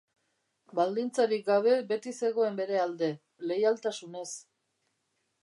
Baldintzarik gabe beti zegoen bere alde, leialtasunez.